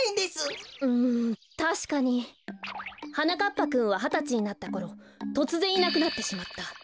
ぱくんははたちになったころとつぜんいなくなってしまった。